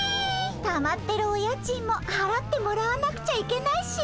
たまってるお家賃もはらってもらわなくちゃいけないしね。